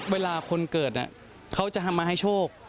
เวลาคนเกิดเขาจะมาให้โชค